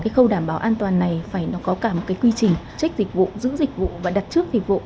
cái khâu đảm bảo an toàn này phải có cả một cái quy trình trách dịch vụ giữ dịch vụ và đặt trước dịch vụ